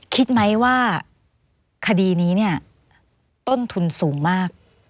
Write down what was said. คิดไหมว่าคดีนี้เนี่ยต้นทุนสูงมาก